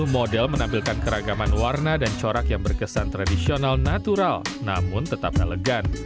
model menampilkan keragaman warna dan corak yang berkesan tradisional natural namun tetap elegan